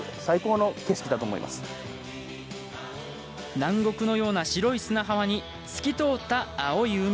南国のような白い砂浜に透き通った青い海。